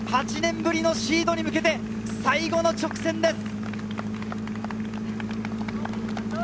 福岡大学８年ぶりのシードに向けて最後の直線です。